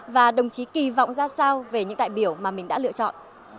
và đồng chí kỳ vọng ra sao về những đại biểu mà mình đã lựa chọn